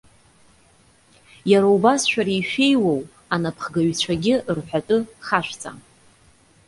Иара убас шәара ишәеиуоу анапхгаҩцәагьы рҳәатәы хашәҵа.